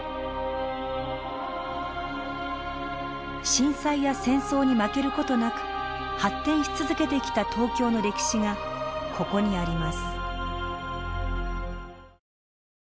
震災や戦争に負ける事なく発展し続けてきた東京の歴史がここにあります。